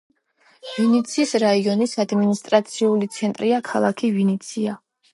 ვინიცის რაიონის ადმინისტრაციული ცენტრია ქალაქი ვინიცა.